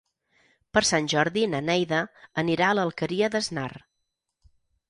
Per Sant Jordi na Neida anirà a l'Alqueria d'Asnar.